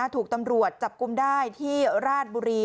ถูกตำรวจจับกุมได้ที่ราชบุรี